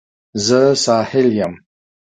زه ساحل یم